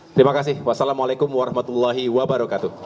terima kasih wassalamualaikum warahmatullahi wabarakatuh